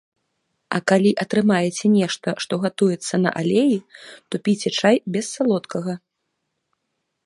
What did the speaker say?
А калі атрымаеце нешта, што гатуецца на алеі, то піце чай без салодкага.